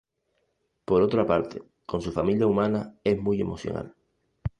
Por otra parte, con su familia humana es muy emocional.